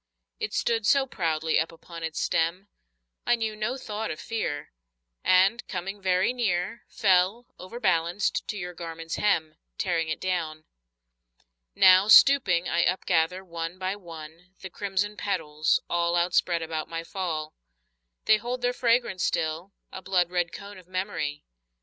It stood so proudly up upon its stem, I knew no thought of fear, And coming very near Fell, overbalanced, to your garment's hem, Tearing it down. Now, stooping, I upgather, one by one, The crimson petals, all Outspread about my fall. They hold their fragrance still, a blood red cone Of memory.